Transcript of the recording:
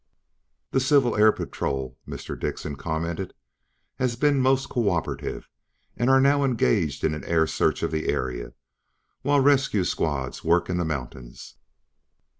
"The Civil Air Patrol," Mr. Dickson commented, "has been most cooperative and are now engaged in an air search of the area, while rescue squads work in the mountains."